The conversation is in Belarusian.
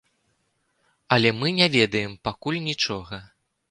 Але мы не ведаем пакуль нічога.